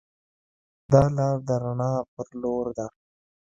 دا لار د رڼا پر لور ده.